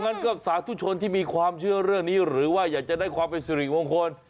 งั้นก็สาธุชนที่มีความเชื่อเรื่องนี้หรือว่าอยากจะได้ความเป็นสิริมงคล